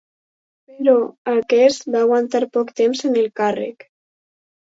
Però aquest va aguantar poc temps en el càrrec.